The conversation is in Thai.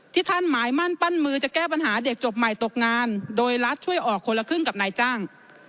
ท่านหมายมั่นปั้นมือจะแก้ปัญหาเด็กจบใหม่ตกงานโดยรัฐช่วยออกคนละครึ่งกับนายจ้าง